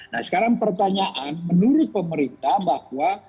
nah sekarang pertanyaan menurut pemerintah bahwa